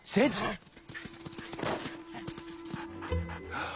ああ！